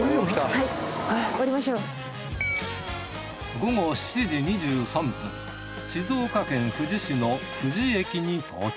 午後７時２３分静岡県富士市の富士駅に到着。